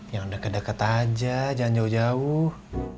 yang deket dua aja jangan jauh dua